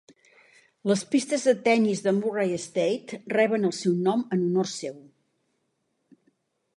Les pistes de tennis de Murray State reben el seu nom en honor seu.